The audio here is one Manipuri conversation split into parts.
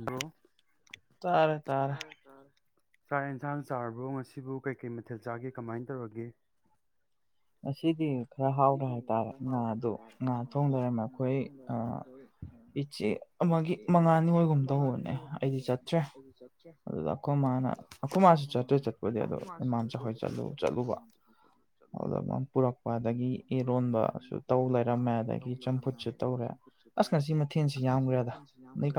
ꯅ꯭ꯔꯣ ꯇꯥꯔꯦ ꯇꯥꯔꯦ ꯆꯥꯛ ꯌꯦꯟꯁꯥꯡ ꯆꯥꯔꯕꯣ ꯉꯁꯤꯕꯨ ꯀꯩ ꯀꯩ ꯃꯊꯦꯜ ꯆꯥꯒꯦ ꯀꯃꯥꯏ ꯇꯧꯔꯒꯦ? ꯈꯔ ꯍꯥꯎꯔꯦ ꯍꯥꯏꯇꯥꯔꯦ ꯉꯥꯗꯨ ꯉꯥ ꯊꯣꯡꯗꯔ ꯃꯈꯣꯏ ꯑ ꯏꯆꯦ ꯑꯃꯒꯤ ꯃꯉꯥꯅꯤ ꯑꯣꯏꯒꯨꯝ ꯇꯧꯕꯅꯦ ꯑꯩꯗꯤ ꯆꯠꯇ꯭ꯔꯦ ꯑꯗꯨꯗ ꯑꯈꯣꯏ ꯃꯥꯅ ꯑꯈꯣꯏ [unintelligible] [unintelligible] ꯑꯗꯒꯤ ꯏꯔꯣꯟꯕꯁꯨ ꯇꯧ ꯂꯩꯔꯝꯃꯦ ꯑꯗꯒꯤ ꯆꯝꯐꯨꯠꯁꯨ ꯇꯧꯔꯦ ꯑꯁ ꯉꯁꯤ ꯃꯊꯦꯟꯁꯤ [unintelligible]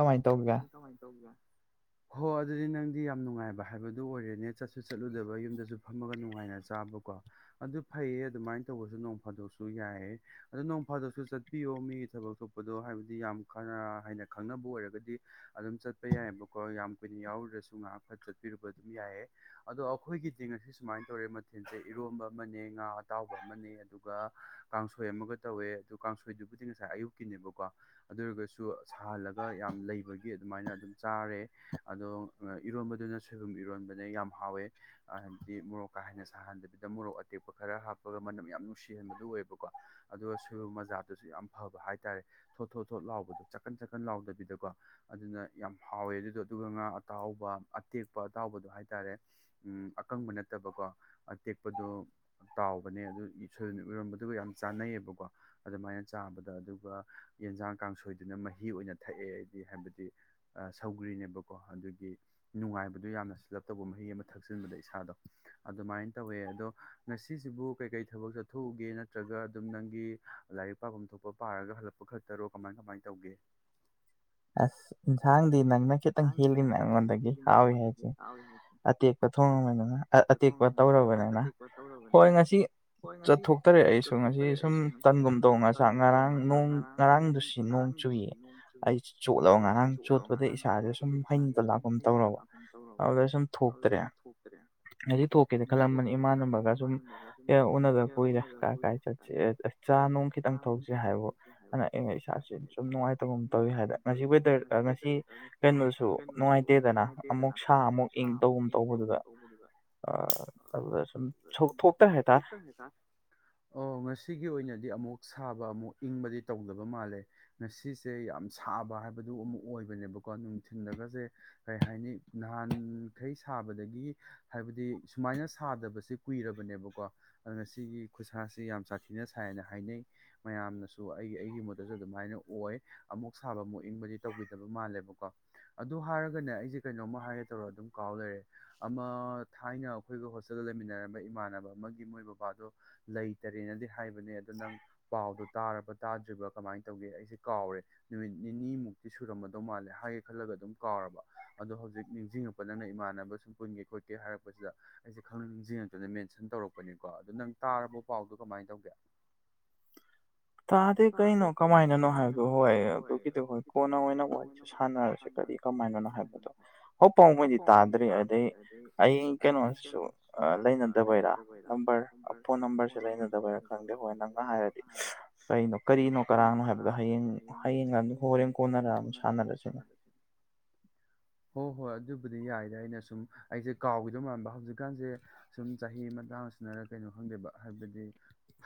ꯍꯣ ꯑꯗꯨꯗꯤ ꯅꯪꯗꯤ ꯌꯥꯝ ꯅꯨꯡꯉꯥꯏꯕ ꯍꯥꯏꯕꯗꯨ ꯑꯣꯏꯔꯦꯅꯦ ꯆꯠꯁꯨ ꯆꯠꯂꯨꯗꯕ ꯌꯨꯝꯗꯁꯨ ꯐꯝꯃꯒ ꯅꯨꯡꯉꯥꯏꯅ ꯆꯥꯕꯀꯣ ꯑꯗꯨ ꯐꯩꯌꯦ ꯑꯗꯨꯃꯥꯏꯅ ꯇꯧꯕꯁꯨ ꯅꯣꯡ ꯐꯥꯗꯣꯛꯁꯨ ꯌꯥꯏ ꯑꯗꯣ ꯅꯣꯡ ꯐꯥꯗꯣꯛꯁꯨ ꯆꯠꯄꯤꯌꯣ ꯃꯤꯒꯤ ꯊꯕꯛ ꯊꯣꯛꯄꯗꯣ ꯍꯥꯏꯕꯗꯤ ꯌꯥꯝ ꯀ ꯍꯥꯏꯅ ꯈꯪꯅꯕ ꯑꯣꯏꯔꯒꯗꯤ ꯑꯗꯨꯝ ꯆꯠꯄ ꯌꯥꯏꯑꯕꯀꯣ ꯌꯥꯝ ꯀꯨꯏꯅ ꯌꯥꯎꯔꯨꯔꯁꯨ ꯉꯥꯏꯍꯥꯛ ꯐꯠ ꯆꯠꯄꯤꯔꯨꯕ ꯑꯗꯨꯝ ꯌꯥꯏꯌꯦ ꯑꯗꯣ ꯑꯩꯈꯣꯏꯒꯤꯗꯤ ꯉꯁꯤ ꯁꯨꯃꯥꯏꯅ ꯇꯧꯔꯦ ꯃꯊꯦꯜꯁꯦ ꯏꯔꯣꯝꯕ ꯑꯃꯅꯦ ꯉꯥ ꯑꯇꯥꯎꯕ ꯑꯃꯅꯦ ꯑꯗꯨꯒ ꯀꯥꯡꯁꯣꯏ ꯑꯃꯒ ꯇꯧꯋꯦ ꯑꯗꯨ ꯀꯥꯡꯁꯣꯏꯗꯨꯕꯨꯗꯤ ꯉꯁꯥꯏ ꯑꯌꯨꯛꯀꯤꯅꯦꯕꯀꯣ ꯑꯗꯨ ꯁꯨ ꯁꯥꯍꯜꯂꯒ ꯌꯥꯝ ꯂꯩꯕꯒꯤ ꯑꯗꯨꯃꯥꯏꯅ ꯑꯗꯨꯝ ꯆꯥꯔꯦ ꯑꯗꯣ ꯏꯔꯣꯝꯕꯗꯨꯅ ꯊꯨꯝ ꯏꯔꯣꯟꯕꯅ ꯌꯥꯝ ꯍꯥꯎꯋꯦ ꯍꯥꯏꯕꯗꯤ ꯃꯣꯔꯣꯛ ꯀꯥ ꯍꯦꯟꯅ ꯁꯥꯍꯟꯗꯕꯤꯗ ꯃꯣꯔꯣꯛ ꯑꯇꯦꯛꯄ ꯈꯔ ꯍꯥꯞ [unintelligible] ꯃꯅꯝ ꯌꯥꯝ ꯅꯨꯡꯁꯤꯍꯟꯕꯗꯨ ꯑꯣꯏꯌꯦꯕꯀꯣ ꯑꯗꯨꯒ ꯁꯣꯏꯕꯨꯝ ꯃꯖꯥꯗꯨꯨꯁꯨ ꯌꯥꯝ ꯐꯕ ꯍꯥꯏꯇꯥꯔꯦ ꯊꯣꯠ ꯊꯣꯠ ꯊꯣꯠ ꯂꯥꯎꯕꯗꯣ ꯆꯛꯀꯟ ꯆꯛꯀꯟ ꯂꯥꯎꯗꯕꯤꯗꯀꯣ ꯑꯗꯨꯅ ꯌꯥꯝ ꯍꯥꯎꯋꯦ ꯑꯗꯨꯗꯣ ꯑꯗꯨꯒ ꯉꯥ ꯑꯇꯥꯎꯕ ꯑꯇꯦ ꯇꯦꯛꯄ ꯑꯇꯥꯎꯕꯗꯣ ꯍꯥꯏꯇꯥꯔꯦ ꯎꯝ ꯑꯀꯪꯕ ꯅꯠꯇꯕꯀꯣ ꯑꯇꯦꯛꯄꯗꯣ ꯇꯥꯎꯕꯅꯦ ꯑꯗꯨ ꯁꯣꯏꯖꯤꯟ ꯏꯔꯝꯕꯗꯨꯒ ꯌꯥꯝ ꯆꯥꯅꯩꯌꯦꯕꯀꯣ ꯑꯗꯨꯃꯥꯏꯅ ꯆꯥꯕꯗ ꯑꯗꯨꯒ ꯌꯦꯟꯁꯥꯡ ꯀꯥꯡꯁꯣꯏꯗꯨꯅ ꯃꯍꯤ ꯑꯣꯏꯅ ꯊꯛꯑꯦ ꯑꯩꯗꯤ ꯍꯥꯏꯕꯗꯤ ꯁꯧꯒ꯭ꯔꯤꯅꯦꯕꯀꯣ ꯑꯗꯨꯒꯤ ꯅꯨꯡꯉꯥꯏꯕꯗꯨ ꯌꯥꯝꯅ ꯁꯤꯜꯂꯞ ꯇꯧꯕ ꯃꯍꯤ ꯑꯃ ꯊꯛꯆꯤꯟꯕꯗ ꯏꯁꯥꯗꯣ ꯑꯗꯨꯃꯥꯏꯅ ꯇꯧꯋꯦ ꯑꯗꯣ ꯁꯤꯁꯤꯕꯨ ꯀꯩꯀꯩ ꯊꯕꯛ ꯆꯠꯊꯣꯛꯎꯒꯦ ꯅꯠꯇ꯭ꯔꯒ ꯑꯗꯨꯝ ꯅꯪꯒꯤ ꯂꯥꯏꯔꯤꯛ ꯄꯥꯐꯝ ꯊꯣꯛꯄ ꯄꯥꯔꯒ ꯍꯜꯂꯛꯄ ꯈꯇꯔꯣ ꯀꯃꯥꯏ ꯀꯃꯥꯏ ꯇꯧꯒꯦ? ꯑꯁ ꯏꯟꯁꯥꯡꯗꯤ ꯅꯪꯅ ꯈꯤꯇꯪ ꯍꯦꯜꯂꯤꯅ ꯑꯩꯉꯣꯟꯗꯒꯤ ꯍꯥꯎꯏ ꯍꯥꯏꯁꯦ ꯑꯇꯦꯛ ꯊꯣꯡꯉꯕꯅꯤꯅ ꯑꯇꯦꯛꯄ ꯇꯧꯔꯕꯅꯤꯅ ꯍꯣꯏ ꯉꯁꯤ ꯆꯠꯊꯣꯛꯇꯔꯦ ꯑꯩꯁꯨ ꯉꯁꯤ ꯁꯨꯝ ꯇꯟꯒꯨꯝ ꯇꯧ ꯉ ꯆꯥꯛ ꯉꯔꯥꯡ ꯅꯣꯡ ꯉꯔꯥꯡꯗꯨ ꯁꯤ ꯅꯣꯡ ꯆꯨꯌꯦ ꯑꯩ ꯆꯣꯠꯂꯕ ꯉꯔꯥꯡ ꯆꯣꯠꯄꯗ ꯏꯁꯥꯁꯦ ꯁꯨꯝ ꯍꯩꯅꯇ ꯂꯥꯛꯄꯨꯝ ꯇꯧꯔꯕ ꯑꯗꯨꯗ ꯁꯨꯝ ꯊꯣꯛꯇꯔꯦ꯫ ꯊꯣꯛꯇꯔꯦ ꯑꯩꯁꯤ ꯊꯣꯛꯀꯦꯗ ꯈꯜꯂꯝꯕꯅꯤ ꯏꯃꯥꯟꯅꯕꯒ ꯁꯨꯝ ꯑꯦ ꯎꯅꯗ ꯀꯨꯏꯔꯦ ꯀꯥꯏ ꯀꯥꯏ ꯆꯠꯁꯤ ꯆꯥ ꯅꯨꯡ ꯈꯤꯇꯪ ꯊꯧꯁꯤ ꯍꯥꯏꯕꯣ ꯑꯗꯨꯅ ꯑꯩꯅ ꯏꯁꯥ [unintelligible] ꯅꯨꯡꯉꯥꯏꯇꯕꯝ ꯇꯧꯏ ꯍꯥꯏꯗ ꯉꯁꯤ ꯋꯦꯗꯔ ꯉꯁꯤ ꯀꯩꯅꯣꯁꯨ ꯅꯨꯡꯉꯥꯏꯇꯦꯗꯅ ꯑꯃꯨꯛ ꯁꯥ ꯑꯃꯨꯛ ꯏꯪ ꯇꯧꯒꯨꯝ ꯇꯧꯕꯗ [unintelligible] ꯑ [unintelligible] [unintelligible] ꯑꯣ ꯉꯁꯤꯒꯤ ꯑꯣꯏꯅꯗꯤ ꯑꯃꯨꯛ ꯁꯥꯕ ꯑꯃꯨꯛ ꯏꯪꯕꯗꯤ ꯇꯧꯗꯕ ꯃꯥꯜꯂꯦ ꯉꯁꯤꯁꯦ ꯌꯥꯝ ꯁꯥꯕ ꯍꯥꯏꯕꯗꯨ ꯑꯃꯨꯛ ꯑꯣꯏꯕꯅꯦꯕꯀꯣ꯫ ꯅꯨꯡꯊꯤꯟꯗꯒꯁꯦ ꯀꯩꯍꯥꯏꯅꯤ ꯅꯍꯥꯟꯈꯩ ꯁꯥꯕꯗꯒꯤ ꯍꯥꯏꯕꯗꯤ ꯁꯨ [unintelligible] ꯁꯥꯗꯕꯁꯦ ꯀꯨꯏꯔꯕ ꯅꯦꯕꯀꯣ ꯑꯗꯨꯅ ꯁꯤꯒꯤ ꯈꯨꯁꯥꯁꯤ ꯌꯥꯝ ꯁꯥꯊꯤꯅ ꯁꯥꯏꯅ ꯍꯥꯏꯅꯩ ꯃꯌꯥꯝꯅꯁꯨ ꯑꯩꯒꯤ ꯑꯩꯒꯤ ꯃꯣꯠꯇꯁꯨ ꯗꯨꯃꯥꯏꯅ ꯑꯣꯏ ꯑꯃꯨꯛ ꯁꯥꯕ ꯑꯃꯨꯛ ꯏꯪꯕꯗꯤ ꯇꯧꯕꯤꯗꯕ ꯃꯥꯜꯂꯦꯕꯀꯣ ꯑꯗꯨ ꯍꯥꯏꯔꯒꯅꯦ ꯑꯩꯁꯦ ꯀꯩꯅꯣꯝꯃ ꯍꯥꯏꯒꯦ ꯇꯧꯔ ꯑꯗꯨꯝ ꯀꯥꯎ ꯂꯩꯔꯦ ꯑꯃ ꯊꯥꯏꯅ ꯈꯣꯏꯒ ꯍꯣꯁꯇꯦꯜꯗ ꯂꯩꯃꯤꯟꯅꯔꯝꯕ ꯏꯃꯥꯟ ꯅꯕ ꯑꯃꯒꯤ ꯃꯣꯏ ꯕꯕꯥꯗꯣ ꯂꯩꯇꯔꯦꯅꯗꯤ ꯍꯥꯏꯕꯅꯦ ꯑꯗꯣ ꯅꯪ ꯄꯥꯎꯗꯣ ꯇꯥꯔꯕ ꯇꯥꯗ꯭ꯔꯤꯕ ꯀꯃꯥꯏꯅ ꯇꯧꯒꯦ ꯑꯩꯁꯦ ꯀꯥꯎꯔꯦ ꯅꯨꯃꯤꯠ ꯅꯤꯅꯤꯃꯨꯛꯇꯤ ꯁꯨꯔꯝꯃꯗꯧ ꯃꯥꯜꯂꯦ ꯍꯥꯏꯒꯦ ꯈꯜꯂꯒ ꯑꯗꯨꯝ ꯀꯥꯎꯔꯕ꯫ ꯑꯗꯣ ꯍꯧꯖꯤꯛ ꯅꯤꯡꯖꯤꯡꯉꯛꯄ ꯅꯪꯅ ꯏꯃꯥꯟꯅꯕ ꯁꯨꯝ ꯄꯨꯟꯒꯦ ꯈꯣꯠꯀꯦ ꯍꯥꯏꯔꯛꯄꯁꯤꯗ ꯑꯩꯁꯦ ꯈꯪꯅꯤꯡ ꯅꯤꯡꯖꯤꯡꯉꯛꯇꯅ ꯃꯦꯟ [unintelligible] ꯇꯧꯔꯛꯄꯅꯤꯀꯣ ꯑꯗꯣ ꯅꯪ ꯇꯥꯔꯕ ꯄꯥꯎꯗꯣ ꯀꯃꯥꯏꯅ ꯇꯧꯒꯦ? ꯇꯥꯗꯦ ꯀꯩꯅꯣ ꯀꯃꯥꯏꯅꯅꯣ ꯍꯥꯏꯕꯣ ꯍꯣꯏ ꯑꯗꯨꯒꯤꯗꯤ ꯍꯣꯏ ꯀꯣꯟꯅ ꯑꯣꯏꯅ ꯋꯥꯔꯤꯁꯨ ꯁꯥꯟꯅꯔꯁꯤ꯫ ꯀꯔꯤ ꯀꯃꯥꯏꯅꯅꯣ ꯍꯥꯏꯕꯗꯣ ꯍꯧꯐꯥꯎꯕꯣꯏꯗꯤ ꯇꯥꯗ꯭ꯔꯤ ꯑꯗꯩ ꯑꯩ ꯀꯩꯅꯣꯁꯨ ꯑ ꯂꯩ ꯅꯗ ꯍꯣꯏꯔꯥ ꯅꯝꯕꯔ ꯑ ꯐꯣꯟ ꯅꯝꯕꯔꯁꯦ ꯂꯩꯅꯗꯕꯔꯥ ꯈꯪꯗꯦ ꯍꯣꯏ ꯅꯪꯅ ꯍꯥꯏꯔꯗꯤ ꯀꯩꯅꯣ ꯀꯔꯤꯅꯣ ꯀꯔꯥꯡꯅꯣ ꯍꯥꯏꯕꯗꯣ ꯍꯌꯦꯡ ꯍꯌꯦꯡꯒꯝ ꯍꯣꯔꯦꯟ ꯀꯣꯟꯅꯔꯝ ꯁꯥꯟꯅꯔꯁꯤꯅꯦ ꯍꯣ ꯍꯣꯏ ꯑꯠ ꯗꯨꯕꯨꯗꯤ ꯌꯥꯏꯗ ꯑꯩꯅ ꯁꯨꯝ ꯑꯩꯁꯦ ꯀꯥꯎꯈꯤꯗꯧ ꯃꯥꯟꯕ ꯍꯧꯖꯤꯛꯀꯥꯟꯁꯦ ꯁꯨꯝ ꯆꯍꯤ ꯃꯇꯥꯡꯁꯤꯅꯔ ꯀꯩꯅꯣ ꯈꯪꯗꯦꯕ ꯍꯥꯏꯕꯗꯤ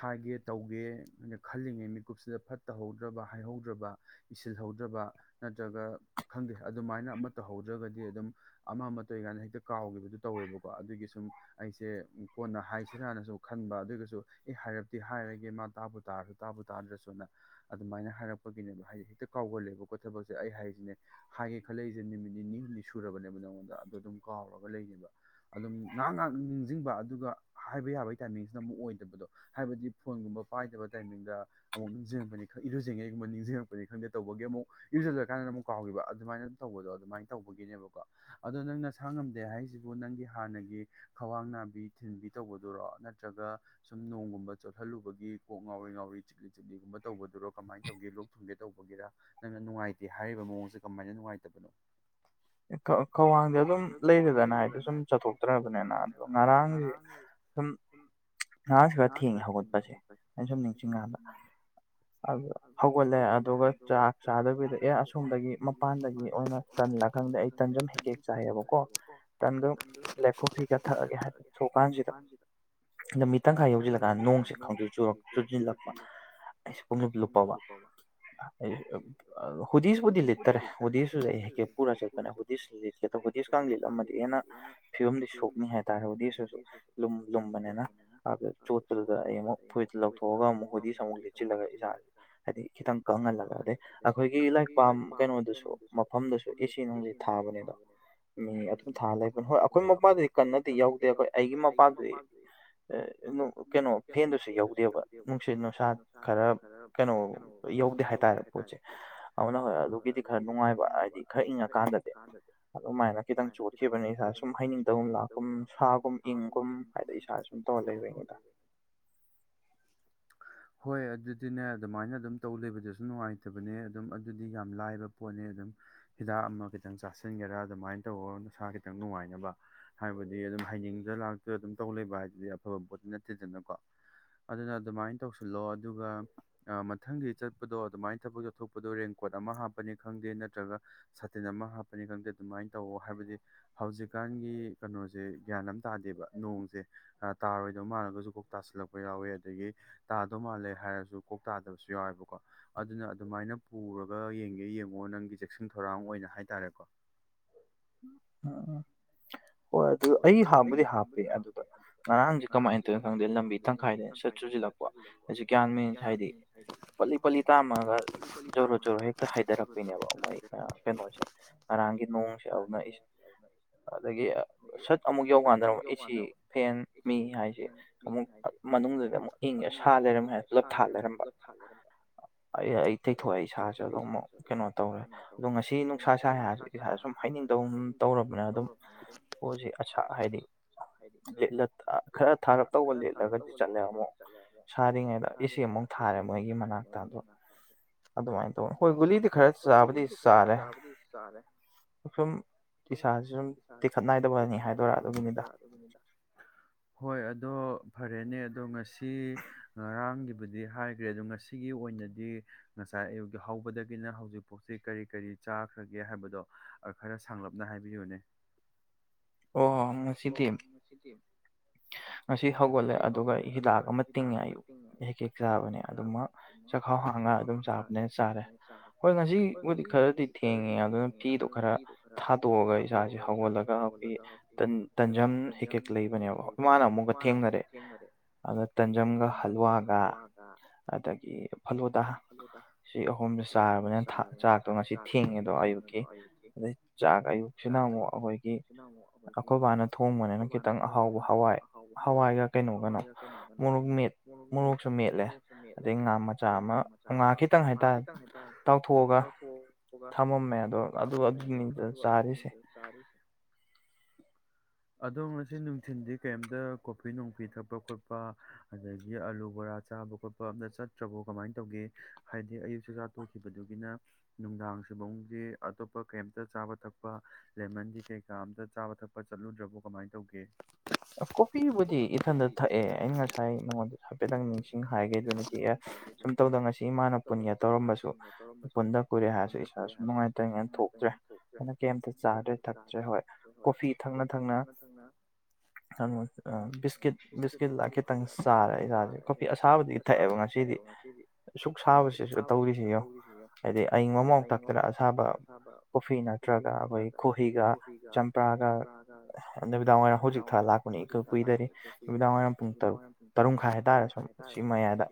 ꯍꯥꯏꯒꯦ ꯇꯧꯒꯦ ꯅ ꯈꯜꯂꯤꯉꯩ ꯃꯤꯀꯨꯞ ꯁꯤꯗ ꯐꯠꯇꯍꯧꯗ꯭ꯔꯕ ꯍꯥꯏꯍꯧꯗ꯭ꯔꯕ ꯏꯁꯤꯜꯍꯧꯗ꯭ꯔꯕ ꯅꯠꯇ꯭ꯔꯒ ꯈꯪꯗꯦ ꯑꯗꯨꯃꯥꯏꯅ ꯑꯃ ꯇꯧꯍꯧꯗ꯭ꯔꯒꯗꯤ ꯑꯗꯨꯝ ꯑꯃ ꯑꯃꯠꯇ ꯑꯣꯏꯀꯥꯟꯗ ꯍꯦꯛꯇ ꯀꯥꯎꯈꯤꯕꯗꯨ ꯇꯧꯋꯦꯕꯀꯣ ꯑꯗꯨꯒꯤ ꯁꯨꯝ ꯑꯩꯁꯦ ꯀꯣꯟꯅ ꯍꯥꯏꯁꯤꯔꯥꯅꯁꯨ ꯈꯟꯕ ꯑꯗꯨꯒꯤꯁꯨ ꯑꯦ ꯍꯥꯏꯔꯞꯇꯗꯤ ꯍꯥꯏꯔꯒꯦ ꯃꯥ ꯇꯥꯕꯨ ꯇꯥꯔꯁꯨ ꯇꯥꯕꯨ ꯇꯥꯗ꯭ꯔꯁꯨ ꯑꯗꯨꯃꯥꯏꯅ ꯍꯥꯏꯔꯛꯄꯒꯤꯅꯦꯕ ꯍꯥꯏꯗꯤ ꯍꯦꯛꯇ ꯀꯥꯎꯒꯜꯂꯦꯕꯀꯣ ꯊꯕꯛꯁꯦ ꯑꯩ ꯍꯥꯏꯁꯤꯅꯦ ꯍꯥꯏꯒꯦ ꯈꯜꯂꯛꯏꯁꯦ ꯅꯨꯃꯤꯠ ꯅꯤꯅꯤ ꯍꯨꯝꯅꯤ ꯁꯨꯔꯕꯅꯦꯕ ꯅꯪꯉꯣꯟꯗ ꯑꯗꯨ ꯑꯗꯨꯝ ꯀꯥꯎꯔꯒ ꯂꯩꯒꯤꯕ ꯑꯗꯨꯝ ꯉꯥꯍꯥꯛ ꯉꯥꯍꯥꯛ ꯅꯤꯡꯁꯤꯡꯕ ꯑꯗꯨꯒ ꯍꯥꯏꯕ ꯌꯥꯕꯒꯤ ꯇꯥꯏꯃꯤꯡꯁꯤꯅ ꯑꯃꯨꯛ ꯑꯣꯏꯗꯕꯗꯣ ꯍꯥꯏꯕꯗꯤ ꯐꯣꯟꯒꯨꯝꯕ ꯄꯥꯏꯗꯕ ꯇꯥꯏꯃꯤꯡꯗ ꯑꯃꯨꯛ ꯅꯤꯡꯁꯤꯡ ꯉꯛꯄꯪ ꯏꯔꯨꯖꯉꯩꯒꯨꯝ ꯅꯤꯡꯁꯤꯡꯉꯛꯄꯅꯤ ꯈꯪꯗꯦ ꯇꯧꯕꯒꯤ ꯑꯃꯨꯛ ꯏꯔꯨꯖ ꯂꯣꯏꯔꯀꯥꯟꯗ ꯑꯃꯨꯛ ꯀꯥꯎꯒꯤꯕ ꯑꯗꯨꯃꯥꯏꯅ ꯑꯗꯨꯃꯥꯏꯅ ꯇꯧꯕꯗꯣ ꯑꯗꯨꯝ ꯃꯥꯏꯟ ꯇꯧꯕꯒꯤꯅꯦꯕꯀꯣ ꯑꯗꯣ ꯅꯪ ꯅꯁꯥ ꯉꯝꯗꯦ ꯍꯥꯏꯁꯤꯕꯨ ꯅꯪꯒꯤ ꯍꯥꯟꯅꯒꯤ ꯈ꯭ꯋꯥꯡ ꯅꯥꯕꯤ ꯊꯤꯟꯕꯤ ꯇꯧꯕꯗꯨꯔꯣ ꯅꯠꯇ꯭ꯔꯒ ꯁꯨꯝ ꯅꯣꯡꯒꯨꯝꯕ ꯆꯣꯠꯍꯜꯂꯨꯕꯒꯤ ꯀꯣꯛ ꯉꯥꯎꯔꯤ ꯉꯥꯎꯔꯤ ꯆꯤꯛꯂꯤ ꯆꯤꯛꯂꯤꯒꯨꯝ ꯅꯗꯨꯔꯣ ꯀꯃꯥꯏꯟ ꯇꯧꯒꯦ ꯂꯣꯛ ꯊꯨꯡꯒꯦ ꯇꯧꯕꯒꯤꯔ ꯅꯪꯅ ꯅꯨꯡꯉꯥꯏꯇꯦ ꯍꯥꯏꯔꯤꯕ ꯃꯑꯣꯡꯁꯦ ꯀꯃꯥꯏꯅ ꯅꯨꯡꯉꯥꯏꯇꯕꯅꯣ ꯈ꯭ꯋꯥꯡꯗꯤ ꯑꯗꯨꯝ ꯂꯩꯔꯦꯗꯅ ꯍꯥꯏꯗꯤ ꯁꯨꯝ ꯆꯠꯊꯣꯛꯇ꯭ꯔꯕꯅꯤꯅ ꯑꯗꯣ ꯉꯔꯥꯡ ꯉꯔꯥꯡꯗꯤ ꯁꯨꯝ ꯉꯔꯥꯡ ꯁꯤ ꯈ ꯊꯦꯡꯉꯦ ꯍꯧꯒꯠꯄꯁꯦ ꯑꯩꯟ ꯁꯨꯝ ꯅꯤꯡꯁꯤꯡꯒꯥꯟꯗ ꯑꯗꯨ ꯍꯧꯒꯠꯂꯦ ꯑꯗꯨꯒ ꯆꯥꯛ ꯆꯥꯗꯕꯤꯗ ꯑꯦ ꯑꯁꯣꯝꯗꯒꯤ ꯃꯄꯥꯟꯗꯒꯤ ꯑꯣꯏꯅ ꯇꯜꯂꯛ ꯈꯪꯗꯦ ꯑꯩ ꯇꯟꯖꯝ ꯍꯦꯛꯀꯦꯛ ꯆꯥꯏꯌꯦꯕꯀꯣ ꯇꯟꯒ ꯕ꯭ꯂꯦꯛ ꯀꯣꯐꯤꯀ ꯊꯛꯑꯒꯦ ꯍꯥꯏ ꯊꯣꯛꯣꯀꯥꯟꯁꯤꯗ ꯅꯨꯃꯤꯠ ꯇꯪꯈꯥꯏ ꯌꯧꯁꯤꯜꯂꯀꯥꯟ ꯅꯣꯡꯁꯦ ꯈꯪꯆꯨ ꯆꯨꯁꯤꯜꯂꯛꯄ ꯑꯩꯁ ꯄꯨꯡꯂꯨꯞ ꯂꯨꯄꯕ ꯍꯨꯗꯤꯁꯕꯨꯗꯤ ꯂꯩ ꯏꯠꯇꯔꯦ ꯍꯗꯤꯁꯨ ꯍꯦꯀꯦꯛ ꯄꯨꯔ ꯆꯠꯄꯅꯦ ꯍꯨꯗꯤꯁ ꯂꯤꯠꯀꯦ ꯇꯧ ꯍꯨꯗꯤꯁ ꯍꯨꯗꯤꯁꯀ ꯂꯤꯠꯂꯝꯃꯗꯤ ꯍꯦꯟꯅ ꯐꯤꯕꯝꯗꯤ ꯁꯣꯛꯅꯤ ꯍꯥꯏ ꯇꯥꯏ ꯍꯨꯗꯤꯁꯇꯨꯁꯨ ꯂꯨꯝ ꯂꯨꯝꯕꯅꯦꯅ ꯑꯗ ꯆꯣꯠꯄꯇꯨꯗ ꯑꯩ ꯑꯃꯨꯛ ꯐꯨꯔꯤꯠꯇꯨ ꯂꯧꯊꯣꯛꯑꯒ ꯑꯃꯨꯛ ꯍꯨ ꯗꯤꯁ ꯑꯃꯨꯛ ꯂꯤꯠꯁꯤꯜꯂꯒ ꯏꯁꯥꯁꯦ ꯍꯥꯏꯗꯤ ꯈꯤꯇꯪ ꯀꯪꯍꯜꯂꯒ ꯑꯗꯩ ꯑꯈꯣꯏꯒꯤ ꯂꯥꯏꯔꯤꯛ ꯄꯝ ꯀꯩꯅꯣꯗꯨꯁꯨ ꯃꯐꯝꯗꯨꯁꯨ ꯑꯦꯁꯤ ꯅꯨꯡꯁꯤ ꯊꯥꯕꯅꯤꯗꯣ ꯃꯤ ꯑꯗꯨꯝ ꯊꯥ ꯂꯩꯕꯅꯤ ꯍꯣꯏ ꯑꯈꯣꯏ ꯃꯄꯥꯗꯤ ꯀꯟꯅ ꯀꯟꯅꯗꯤ ꯌꯧꯗꯦ ꯍꯣꯏ ꯑꯩꯒꯤ ꯃꯄꯥꯗꯨꯗꯤ ꯀꯩꯅꯣ ꯐꯦꯟꯗꯨꯁꯨ ꯌꯧꯗꯦꯕ ꯅꯨꯡꯁꯤꯠ ꯅꯨꯡꯁꯥ ꯈꯔ ꯀꯩꯅꯣ ꯌꯧꯗꯦ ꯍꯥꯏꯇꯥꯔꯦ ꯄꯣꯠꯁꯦ ꯑꯗꯨꯅ ꯍꯣꯏ ꯑꯗꯨꯒꯤꯗꯤ ꯈꯔ ꯅꯨꯡꯉꯥꯏꯕ ꯍꯥꯏꯗꯤ ꯈ ꯌꯧ ꯏꯪꯉꯀꯥꯟꯗꯗꯤ ꯑꯗꯨꯃꯥꯏꯅ ꯈꯤꯇꯪ ꯆꯣꯠꯈꯤꯕꯅꯤ ꯏꯁꯥ ꯁꯨꯝ ꯍꯥꯏꯅꯤꯡꯇꯕ ꯂꯥꯛ ꯇꯧꯝ ꯂꯥꯀꯨꯝ ꯁꯥꯒꯨꯝ ꯏꯪꯒꯨꯝ ꯑꯩ ꯁꯥꯁꯤ ꯇꯧ ꯂꯩꯕꯩ [unintelligible] ꯍꯣꯏ ꯑꯗꯨꯗꯤꯅꯦ ꯑꯗꯨꯃꯥꯏꯅ ꯑꯗꯨꯝ ꯇꯧ ꯂꯩꯕꯗꯁꯨ ꯅꯨꯡꯉꯥꯏꯇꯕꯅꯦ ꯑꯗꯨꯝ ꯑꯗꯨꯗꯤ ꯌꯥꯝ ꯂꯥꯏꯕ ꯄꯣꯠꯅꯦ ꯑꯗꯨꯝ ꯍꯤꯗꯥꯛ ꯑꯃ ꯈꯤꯇꯪ ꯆꯥꯁꯤꯟꯒꯦꯔꯥ ꯑꯗꯨꯃꯥꯏꯅ ꯇꯧꯔꯒ ꯅꯁꯥ ꯈꯤꯇꯪ ꯅꯨꯡꯉꯥꯏꯅꯕ ꯍꯥꯏꯕꯗꯤ ꯑꯗꯨꯝ ꯍꯥꯏꯅꯤꯡꯗꯨ ꯂꯥꯛꯇ ꯑꯗꯨꯝ ꯇꯧ ꯂꯩꯕ ꯍꯥꯏꯗꯨꯗꯤ ꯑꯐꯕ ꯄꯣꯠꯇꯤ ꯅꯠꯇꯦꯗꯅꯀꯣ ꯑꯗꯨꯅ ꯑꯗꯨꯃꯥꯏꯅ ꯇꯧꯁꯤꯜꯂꯣ ꯑꯗꯨꯒ ꯃꯊꯪꯒꯤ ꯆꯠꯄꯗꯣ ꯑꯗꯨꯃꯥꯏꯅ ꯊꯕꯛ ꯆꯠꯊꯣꯛꯄꯗꯣ ꯔꯦꯡꯀꯣꯠ ꯑꯣꯠ ꯑꯃ ꯍꯥꯞꯅꯤ ꯈꯪꯗꯦ ꯅꯠꯇꯔꯒ ꯁꯥꯇꯤꯟ ꯑꯃ ꯈꯪꯗꯦ ꯑꯗꯨꯃꯥꯏꯟ ꯇꯧꯑꯣ ꯍꯥꯏꯕꯗꯤ ꯍꯧꯖꯤꯛꯀꯥꯟ ꯅꯪꯒꯤ ꯀꯩꯅꯣꯁꯦ ꯒ꯭ꯌꯥꯟ ꯑꯃ ꯇꯥꯗꯦꯕ ꯅꯣꯡꯁꯦ ꯇꯥꯔꯣꯏꯗꯕ ꯃꯥꯜꯂꯒꯁꯨ ꯀꯣꯛ ꯇꯥꯁꯤꯜꯂꯛꯄ ꯌꯥꯎꯋꯦ ꯑꯗꯒꯤ ꯇꯥꯗꯧ ꯃꯥꯜꯂꯦ ꯍꯥꯏꯔꯁꯨ ꯀꯣꯛ ꯇꯥꯗꯕꯁꯨ ꯌꯥꯎꯋꯦꯕꯀꯣ ꯑꯗꯨꯅ ꯑꯗꯨꯃꯥꯏꯅ ꯄꯨꯔꯒ ꯌꯦꯡꯒꯦ ꯌꯦꯡ ꯌꯦꯡꯉꯣ ꯅꯪꯒꯤ ꯆꯦꯛꯁꯤꯟ ꯊꯧꯔꯥꯡ ꯑꯣꯏꯅ ꯍꯥꯏꯇꯥꯔꯦꯀꯣ ꯑ ꯑ ꯍꯣꯏ ꯑꯗꯨ ꯑꯩ ꯍꯥꯝꯕꯨꯗꯤ ꯍꯥꯞꯄꯤ ꯑꯗꯨꯗ ꯉꯔꯥꯡꯁꯦ ꯀꯃꯥꯏꯅ ꯇꯧꯏꯅꯣ ꯈꯪꯗꯦ ꯂꯝꯕꯤ ꯇꯪꯈꯥꯏꯗ ꯁꯨꯠ ꯆꯨꯖꯤꯜꯂꯛꯄ ꯑꯩꯁꯨ ꯒ꯭ꯌꯥꯟ ꯃꯦꯟ ꯍꯥꯏꯗꯤ ꯄꯠꯂꯤ ꯄꯠꯂꯤ ꯇꯥꯝꯃꯒ ꯖꯣꯔꯣ ꯖꯔꯣ ꯍꯦꯛꯇ ꯍꯩꯗꯔꯛꯄꯤꯅꯦꯕ ꯃꯣꯏ ꯀꯩꯅꯣꯁꯦ ꯉꯔꯥꯡꯒꯤ ꯅꯣ ꯌꯥꯎꯅꯛꯏꯁ ꯑꯗꯒꯤ ꯁꯠ ꯑꯃꯨꯛ ꯌꯧꯒꯥꯟꯗ ꯑꯃꯛ ꯑꯦꯁꯤ ꯐꯦꯟ ꯃꯤ ꯍꯥꯏꯁꯦ ꯑꯃꯨꯛ ꯃꯅꯨꯡꯗꯗꯤ ꯑꯃꯨꯛ ꯏꯪꯉ ꯃꯅꯨꯡꯗꯨꯗ ꯑꯃꯗ ꯁꯥ ꯂꯩꯔꯝꯃꯦ ꯍꯥꯏꯕꯗ ꯊꯥꯜ ꯂꯩꯔꯝꯕ ꯑꯩ ꯑꯩ ꯇꯩꯊꯣꯛꯑꯦ ꯏꯁꯥꯁꯨ ꯑꯗꯨꯝ ꯀꯩꯅꯣ ꯇꯧꯔꯦ ꯑꯗꯣ ꯉꯁꯤ ꯅꯨꯡꯁꯥ ꯁꯥꯏ ꯍꯥꯏꯔꯁꯨ ꯏꯁꯥ ꯁꯨꯝ ꯍꯥꯏꯅꯤꯡꯧ ꯇꯧꯔꯕꯅꯤꯅ ꯑꯗꯨꯝ ꯄꯣꯠꯁꯤ ꯑꯁꯥ ꯍꯥꯏꯗꯤ ꯂꯦꯠ ꯈꯔ ꯊꯥꯔꯞ ꯇꯧꯕ ꯂꯤꯠꯂꯒꯗꯤ ꯆꯠꯂꯦ ꯑꯃꯨꯛ ꯁꯥꯔꯤꯉꯩꯗ ꯑꯩꯁꯤꯦ ꯑꯃꯨꯛ ꯂꯝꯕꯤꯁꯦꯏ ꯑꯃꯨꯛ ꯊꯥꯔꯦ ꯃꯣꯏꯒꯤ ꯃꯅꯥꯦ ꯑꯗꯨꯃꯥꯏꯅ ꯇꯧꯅ ꯍꯣꯏ ꯒꯨꯂꯤꯗꯤ ꯈꯔ ꯆꯥꯕꯗꯤ ꯆꯥꯔꯦ ꯁꯨꯝ ꯏꯁꯤꯁꯥꯁꯤ ꯁꯨꯝ ꯇꯤꯈꯠꯏꯗ ꯍꯣꯏ ꯑꯗꯣ ꯐꯔꯦꯅꯦ ꯑꯗꯣ ꯉꯁꯤ ꯉꯔꯥꯡꯒꯤꯕꯨꯗꯤ ꯍꯥꯏꯈ꯭ꯔꯦ ꯑꯗꯣ ꯉꯁꯤꯒꯤ ꯑꯣꯏꯅꯗꯤ ꯉꯁꯥꯏ ꯑꯌꯒꯤ ꯍꯧ ꯍꯧꯕꯗꯒꯤꯅ ꯍꯧꯖꯤꯛꯐꯥꯎꯁꯤ ꯀꯔꯤ ꯀꯔꯤ ꯆꯥꯈ꯭ꯔꯒꯦ ꯍꯥꯏꯕꯗꯣ ꯈꯔ ꯁꯥꯡꯂꯞꯅ ꯍꯥꯏꯕꯤꯌꯨꯅꯦ [unintelligible] ꯑꯣ ꯃꯥ ꯉꯥꯁꯤꯗꯤ ꯉꯁꯤ ꯍꯧꯒꯠꯂꯦ ꯑꯗꯨꯒ ꯍꯤꯗꯥꯛ ꯑꯃ ꯇꯤꯡꯉꯦ ꯑꯌꯨꯛ ꯍꯦꯛ ꯍꯦꯛ ꯆꯥꯕꯅꯦ ꯑꯗꯨꯃꯛ ꯈꯥꯎ ꯍꯥꯡꯉꯒ ꯑꯗꯨꯝ ꯆꯥꯕꯅꯦꯅ ꯆꯥꯔꯦ ꯍꯣꯏ ꯉꯁꯤꯕꯨꯗꯤ ꯈꯔꯗꯤ ꯊꯦꯡꯉꯦ ꯑꯗꯨꯅ ꯐꯤꯗꯣ ꯈꯔ ꯊꯥꯗꯣꯛꯑꯒ ꯏꯁꯥꯁꯦ ꯍꯧꯒꯠꯂꯒ ꯑꯩꯈꯣꯏꯒꯤ ꯇꯟꯖꯝ ꯍꯤꯀꯦ ꯂꯩꯕꯅꯦꯕ ꯃꯥꯅ ꯑꯃꯨꯛꯀ ꯊꯦꯡꯅꯔꯦ ꯑꯗꯨꯅ ꯇꯟꯖꯝꯒ ꯍꯜꯨꯋꯥꯒ ꯑꯗꯒꯤ ꯐꯂꯣꯗꯥ ꯁꯤ ꯑꯍꯨꯝꯗ ꯆꯥꯔꯕꯅꯤꯅ ꯆꯥꯛꯇꯣ ꯉꯁꯤ ꯊꯦꯡꯉꯦꯗꯣ ꯑꯌꯨꯛꯀꯤ ꯑꯗꯩ ꯆꯥꯛ ꯑꯌꯨꯛꯁꯨ ꯅ ꯍꯣ ꯑꯩꯈꯣꯏꯒꯤ ꯑꯩꯈꯣꯏꯕꯅ ꯊꯣꯡꯕꯅꯤꯅ ꯈꯤꯇꯪ ꯑꯍꯥꯎꯕ ꯍꯋꯥꯏ ꯍꯋꯥꯏꯒ ꯀꯩꯅꯣꯒꯅꯣ ꯃꯣꯔꯣꯛ ꯃꯤꯠ ꯃꯣꯔꯣꯛꯁꯨ ꯃꯦꯠꯂꯦ ꯑꯗꯩ ꯉꯥ ꯃꯆꯥ ꯑꯃ ꯉꯥ ꯈꯤꯇꯪ ꯍꯥꯏꯇꯥꯔꯦ ꯇꯥꯎꯊꯣꯛꯑꯒ ꯑꯗꯨꯒꯥ ꯊꯝꯃꯝꯃꯦ ꯑꯗꯣ ꯑꯗꯨ ꯑꯗꯨꯅꯤꯗꯨ ꯆꯥꯔꯤꯁꯦ [unintelligible] ꯑꯗꯣ ꯉꯁꯤ ꯅꯨꯡꯊꯤꯟꯜꯗꯤ ꯀꯩꯝꯇ ꯀꯣꯐꯤ ꯅꯨꯡꯄꯤꯤ ꯊꯛꯄ ꯈꯣꯠꯄ ꯑꯗꯒꯤ ꯑꯥꯂꯨ ꯕꯣꯔꯥ ꯆꯥ ꯆꯥꯕ ꯈꯣꯠꯄ ꯑ ꯆꯠꯇ꯭ꯔꯕꯣ ꯀꯃꯥꯏꯅ ꯇꯧꯒꯦ ꯍꯥꯏꯗꯤ ꯑꯌꯨꯛꯁꯨ ꯆꯥ ꯇꯣꯛꯈꯤꯕꯗꯨꯒꯤꯅ ꯅꯨꯡꯗꯥꯡ ꯏꯨꯡꯁꯤ ꯑꯇꯣꯞꯄ ꯀꯩꯝꯇ ꯆꯥꯕ ꯊꯛꯄ ꯂꯦꯃꯟꯗꯤ ꯀꯩ ꯀꯥ ꯑꯃꯝꯇ ꯆꯥꯕ ꯊꯛꯄ ꯆꯠꯂꯨꯗ꯭ꯔꯕꯣ ꯀꯃꯥꯏꯅ ꯇꯧꯒꯦ ꯀꯣꯄꯤꯕꯨꯗꯤ ꯏꯊꯟꯇ ꯊꯛꯑꯦ ꯑꯩꯅ ꯉꯁꯥꯏ ꯅꯉꯣꯟꯗ ꯍꯥꯏꯐꯦꯠꯇꯪ ꯅꯤꯡꯁꯤꯡ ꯍꯥꯏꯒꯦꯗꯨꯅꯤꯗꯤ ꯑꯦ ꯁꯨꯝ ꯇꯧꯗꯅ ꯉꯁꯤ ꯏꯃꯥꯅ ꯄꯨꯟꯒꯦ ꯇꯧꯔꯝꯕꯁꯨ ꯄꯨꯟꯗ ꯀꯨꯔꯦ ꯍꯥꯏꯔꯁꯨ ꯏꯁꯥꯗ ꯁꯨꯝ ꯅꯨꯡꯉꯥꯏꯇꯧꯔꯤꯉꯅ ꯊꯣꯛ [unintelligible] ꯀꯝꯗꯤ ꯆꯥꯔꯦ ꯊꯛ꯭ꯔꯦ ꯍꯣꯏ ꯍꯣꯏ ꯍꯣꯏ ꯀꯣꯐꯤ ꯊꯪꯅ ꯊꯪꯅ ꯃ ꯕꯤꯁꯀꯤꯠ ꯕꯤꯁꯀꯤꯠꯂ ꯈꯤꯇꯪ ꯆꯥꯔꯦ ꯏꯁꯥꯁꯦ ꯀꯣꯐ ꯑꯁꯥꯕꯗꯤ ꯊꯛꯑꯦꯕ ꯉꯁꯤꯗꯤ ꯁꯨꯛ ꯁꯥꯕꯁꯤ ꯇꯧꯔꯤꯁꯤ ꯌꯦꯉꯣ ꯍꯥꯏꯗꯤ ꯑꯏꯤꯡꯕ ꯃꯍꯥꯎ ꯊꯛꯇꯅ ꯑꯁꯥꯕ ꯀꯣꯐꯤ ꯅꯠꯇ꯭ꯔꯒ ꯑꯩꯈꯣꯏ ꯈꯣꯍꯤꯒ ꯆꯄ꯭ꯔꯒ ꯗꯨ ꯂꯥꯛꯄꯅꯤ ꯏꯀꯨ ꯀꯨꯏꯗꯔꯤ ꯅꯨꯃꯤꯗꯥꯡ ꯋꯥꯏꯔꯝ ꯄꯨꯡ ꯇꯔꯨꯛ ꯇꯔꯨꯛꯈꯥꯏ ꯍꯥꯏꯇꯥꯔꯦ ꯁꯨꯝꯝ ꯁꯤ ꯃꯌꯥꯏꯗ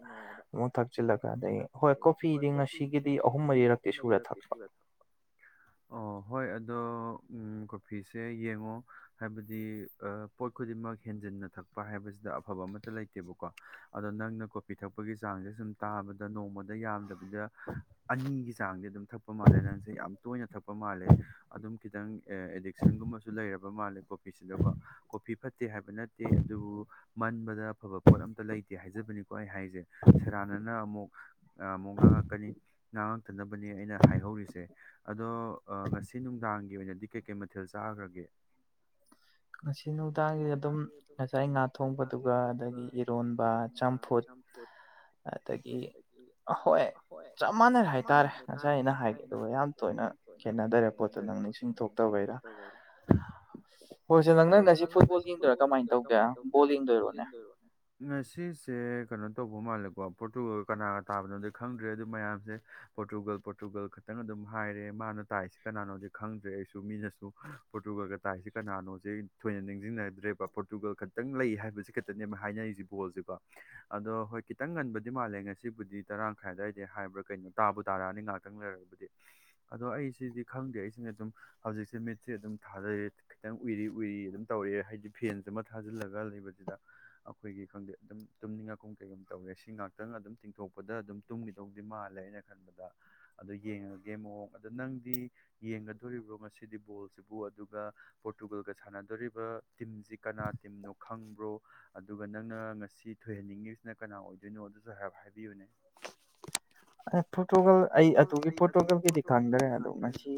ꯑꯃꯨꯛ ꯊꯛꯆꯤꯜꯂꯒ ꯑꯗꯒꯤ ꯍꯣꯏ ꯀꯣꯐꯤꯗꯤ ꯉꯁꯤꯒꯤꯗꯤ ꯑꯍꯨꯝ ꯃꯔꯤꯔꯛꯇꯤ ꯁꯨꯔꯦ ꯊꯛꯄ ꯑꯣ ꯍꯣꯏ ꯑꯗꯣ ꯐꯤꯁꯦ ꯌꯦꯡꯉꯣ ꯍꯥꯏꯕꯗꯤ ꯄꯣꯠ ꯈꯨꯗꯤꯡꯃꯛ ꯍꯦꯟꯖꯤꯟꯅ ꯊꯛꯄ ꯍꯥꯏꯕꯁꯤꯗ ꯑꯐꯕ ꯑꯃ ꯑ ꯂꯩꯇꯦꯕꯀꯣ ꯑꯗꯣ ꯅꯪꯅ ꯀꯣꯄꯤ ꯊꯛꯄꯒꯤ ꯆꯥꯡꯁꯦ ꯁꯨꯝ ꯇꯥꯕꯗ ꯅꯣꯡꯃꯗ ꯌꯥꯝꯗꯕ ꯑꯗꯨꯗ ꯑꯅꯤꯒꯤ ꯆꯥꯡꯗꯤ ꯑꯗꯨꯝ ꯊꯛꯄ ꯃꯥꯜꯂꯦ ꯅꯪꯁꯦ ꯌꯥꯝ ꯇꯣꯏꯅ ꯊꯛꯄ ꯃꯥꯜꯂꯦ ꯑꯗꯨꯝ ꯈꯤꯇꯪ ꯑꯦꯗꯤꯛꯁꯟꯒꯨꯝꯕꯁꯨ ꯂꯩꯔꯕ ꯃꯥꯜꯂꯦ ꯀꯣꯐꯤꯁꯤꯗꯀꯣ ꯀꯣꯐꯤ ꯐꯠꯇ ꯐꯠꯇꯦ ꯍꯥꯏꯕ ꯅꯠꯇꯦ ꯑꯗꯨꯕꯨ ꯃꯟꯕꯗ ꯑꯐꯕ ꯄꯣꯠ ꯑꯝꯇ ꯂꯩꯇꯦ ꯍꯥꯏꯖꯕꯅꯤꯀꯣ ꯑꯩ ꯍꯥꯏꯔꯤꯁꯦ ꯁꯦꯔꯥꯟꯅꯅ ꯑꯃꯨꯛ ꯑꯃꯨꯛ ꯉ ꯀꯔꯤ ꯍꯥꯏ ꯍꯁꯦ ꯑꯣ ꯉꯪꯂꯛ ꯅꯨꯡꯗꯥꯡꯒꯤ ꯏꯊꯤꯜ ꯆꯥꯈ꯭ꯔꯒꯦ ꯉꯁꯤ ꯅꯨꯡꯗꯥꯡꯒꯤꯗ ꯑꯗꯨꯝ ꯉꯁꯥꯏ ꯉꯥ ꯊꯣꯡꯕꯗꯨꯒ ꯑꯗꯒꯤ ꯏꯔꯣꯟꯕ ꯆꯝꯐꯨꯠ ꯑꯗꯒꯤ ꯍꯣꯏ ꯆꯞ ꯃꯥꯟꯅꯔꯦ ꯍꯥꯏꯇꯥꯔꯦ ꯉꯁꯥꯏ ꯑꯩꯅ ꯍꯥꯏꯒꯦ ꯑꯗꯨꯒ ꯌꯥꯝ ꯇꯣꯏꯅ ꯈꯦꯠꯅꯗꯔꯦ ꯄꯣꯠꯇꯣ ꯅꯪ ꯅꯤꯡꯁꯤꯡ ꯊꯣꯛꯇꯕꯩꯔꯥ ꯇ ꯑꯣꯏꯔ ꯅꯪ ꯉꯁꯤ ꯐꯨꯣꯏꯔꯃꯥꯏ ꯇꯧꯒꯦ ꯉꯁꯤꯁꯦ ꯀꯩꯅꯣ ꯇꯧꯕꯧ ꯃꯥꯜꯂꯦꯀꯣ ꯄꯣꯔꯇꯨꯒꯜ ꯀꯅꯥ ꯇꯥꯕꯅꯣꯗꯤ ꯈꯪ꯭ꯔꯦ ꯑꯗꯨ ꯃꯌꯥꯝꯁꯦ ꯄꯣꯔꯇꯨꯒꯜ ꯄꯣꯔꯇꯨꯒꯜ ꯈꯛꯇꯪ ꯈꯤꯇꯪ ꯑꯗꯨꯝ ꯍꯥꯏꯔꯦ ꯃꯥꯅ ꯇꯥꯏꯁꯤ ꯀꯅꯥꯅꯣꯗꯤ ꯈꯪꯗ꯭ꯔꯦ ꯑꯩꯁꯨ ꯃꯤꯅ ꯄꯣꯔꯇꯨꯒꯜꯒ ꯇꯥꯏꯁꯦ ꯀꯅꯥꯅꯣꯁꯦ ꯊꯣꯏꯅ ꯅꯤꯡꯁꯤꯡꯅꯗ꯭ꯔꯦꯕ ꯄꯣꯔꯇꯨꯒꯜ ꯈꯛꯇꯪ ꯂꯩ ꯍꯥꯏꯕꯁꯤꯦ ꯈꯈꯤꯇ ꯍ ꯈꯤꯪꯟꯦ ꯉꯁꯤꯕꯨꯗꯤ ꯇꯔꯥꯋꯥꯏꯗ ꯍꯥꯏ ꯀꯩꯅꯣ ꯇꯥꯕꯨ ꯇꯥꯔꯛꯑꯅꯤ ꯉꯍꯥꯛꯇꯪ ꯂꯩꯔꯛꯑꯕꯗꯤ ꯑꯗꯣ ꯑꯩ ꯁꯤꯗꯤ ꯈꯪꯗꯦ ꯑꯩꯁꯤꯅ ꯑꯗꯨꯝ ꯍꯧꯖꯤꯛꯁꯦ ꯁꯤ ꯑꯗꯨꯝ ꯊꯥꯖꯩꯔꯦ ꯈꯤꯇꯪ ꯎꯏꯔꯤ ꯎꯏꯔꯤ ꯑꯗꯨꯝ ꯇꯧꯔꯛꯑꯦ ꯍꯥꯏꯗꯤ ꯐꯦꯟꯁꯤ ꯑꯃ ꯊꯥꯖꯤꯜꯂꯒ ꯂꯩꯕꯁꯤꯗ ꯑꯩꯈꯣꯏꯒꯤ ꯈꯪꯗꯦ ꯑꯗꯨꯝ ꯇꯨꯝꯅꯤꯡꯉꯛꯀꯨꯝ ꯀꯩꯒꯨꯝ ꯇꯧꯋꯦ ꯁꯤ ꯉꯍꯥꯛꯇꯪ ꯑꯗꯨꯝ ꯇꯤꯡꯊꯣꯛꯄꯗ ꯑꯗꯨꯝ ꯇꯨꯝꯈꯤꯗꯧꯗꯤ ꯃꯥꯜꯂꯦ ꯑꯩꯅ ꯈꯟꯕꯗ ꯑꯗꯨꯣ ꯌꯦꯡꯉꯒꯦ ꯃꯑꯣꯡ ꯑꯗ ꯅꯪꯗꯤ ꯌꯦꯡꯒꯗꯣꯔꯤꯕ꯭ꯔꯣ ꯉꯁꯤꯗꯤ ꯣꯜ ꯁꯤꯕꯨ ꯑꯗꯨꯒ ꯄꯣꯔꯇꯨꯒꯜꯒ ꯁꯥꯟꯅꯗꯣꯔꯤꯕ ꯇꯤꯝꯁꯤ ꯀꯅꯥ ꯇꯤꯝꯅꯣ ꯈꯪꯕ꯭ꯔꯣ ꯑꯗꯨꯒ ꯅꯪꯅ ꯉꯁꯤ ꯊꯣꯏꯍꯟꯅꯤꯡꯉꯤꯁꯤꯅ ꯀꯅꯥ ꯑꯣꯏꯗꯣꯏꯅꯣ ꯑꯗꯨꯁꯨ ꯍꯥꯏꯞ ꯍꯥꯏꯕꯤꯌꯨꯅꯦ ꯄꯣꯔꯇꯣꯒꯜ ꯑꯩ ꯑꯗꯨꯒꯤ ꯄꯣꯔꯇꯣꯒꯜꯒꯤꯗꯤ ꯈꯪꯗ꯭ꯔꯦ ꯑꯗꯣ ꯉꯁꯤ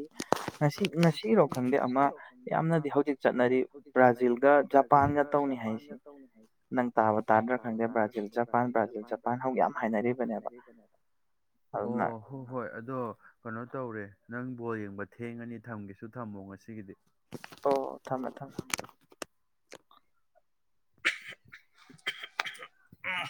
ꯉꯁꯤ ꯉꯁꯤꯔꯣ ꯈꯪꯗꯦ ꯑꯃ ꯌꯥꯝꯅꯗꯤ ꯍꯧꯖꯤꯛ ꯆꯠꯅꯔꯤ ꯕ꯭ꯔꯥꯖꯤꯜꯒ ꯖꯄꯥꯟꯒ ꯇꯧꯅꯤ ꯍꯥꯏꯁꯤ ꯅꯪ ꯇꯥꯕ ꯇꯥꯗ꯭ꯔꯥ ꯈꯪꯗꯦ ꯕ꯭ꯔꯥꯖꯤꯜ ꯖꯄꯥꯟ ꯕ꯭ꯔꯥꯖꯤꯜ ꯖꯄꯥꯟ ꯍꯧꯖꯤꯛ ꯌꯥꯝ ꯍꯥꯏꯅꯔꯤꯕꯅꯦꯕ ꯑꯣ ꯍꯣꯏ ꯍꯣꯏ ꯑꯗꯣ ꯀꯩꯅꯣ ꯇꯧꯔꯦ ꯅꯪ ꯕꯣꯜ ꯌꯦꯡꯕ ꯊꯦꯡꯉꯅꯤ ꯊꯝꯒꯁꯦ ꯁꯨ ꯊꯝꯃꯣ ꯉꯁꯤꯒꯤꯗꯤ ꯑꯣ ꯊꯝꯃꯦ ꯊꯝꯃꯦ ꯑ